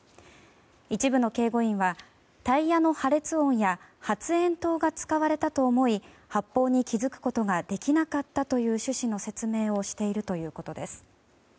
一部の警護員はタイヤの破裂音や発煙筒が使われたと思い発砲に気づくことができなかったという趣旨の説明をしているということです。